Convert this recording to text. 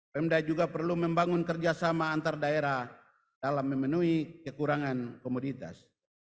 pemda juga perlu membangun kerjasama antar daerah dalam memenuhi kekurangan komoditas